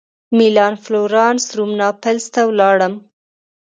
مېلان فلورانس روم ناپلز ته ولاړم.